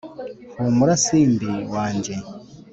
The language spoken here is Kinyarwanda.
humura simbi, wanjye